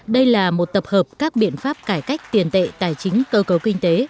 đây là một tập hợp các biện pháp cải cách tiền tệ tài chính cơ cấu kinh tế